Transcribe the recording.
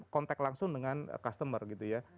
kontak langsung dengan customer gitu ya